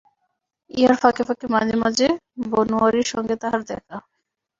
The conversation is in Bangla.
ইহার ফাঁকে ফাঁকে মাঝে মাঝে বনোয়ারির সঙ্গে তাহার দেখা হয়।